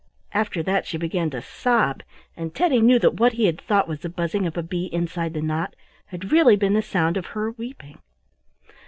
After that she began to sob, and Teddy knew that what he had thought was the buzzing of a bee inside the knot had really been the sound of her weeping.